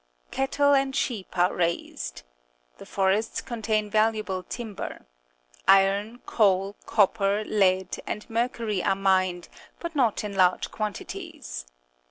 Cattle and sheep HUNGARY are raised. The forests contain valuable timber. Iron, coal, copper, lead, and mercury are mined, but not in large quantities.